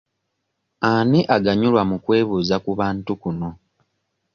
Ani aganyulwa mu kwebuuza ku bantu kuno?